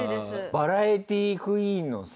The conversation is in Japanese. バラエティクイーンのさ。